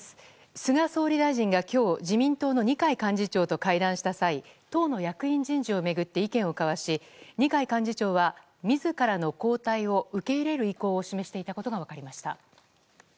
菅総理大臣が今日自民党の二階幹事長と会談した際党の役員人事を巡って意見を交わし二階幹事長は自らの交代を受け入れる意向を示していたことが分かりました。